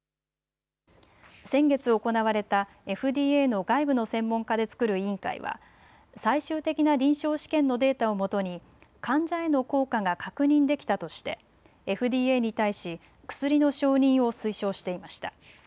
先月行われたＦＤＡの外部の専門家で作る委員会は最終的な臨床試験のデータをもとに患者への効果が確認できたとしてＦＤＡに対し薬の承認を推奨していました。